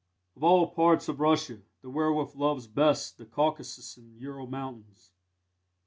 Of all parts of Russia, the werwolf loves best the Caucasus and Ural Mountains.